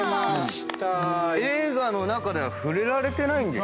映画の中では触れられてないんでしょ？